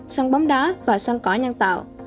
sân bóng đá và sân cỏ nhân tạo